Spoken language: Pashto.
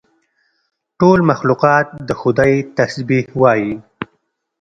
ټول مخلوقات د خدای تسبیح وایي.